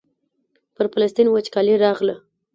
پر فلسطین وچکالي راغله.